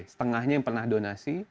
setengahnya yang pernah donasi